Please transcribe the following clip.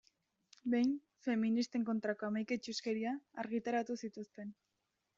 Behin feministen kontrako hamaika itsuskeria argitaratu zituen.